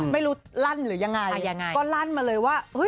ไม่รู้ลั่นหรือยังไงก็ลั่นมาเลยว่า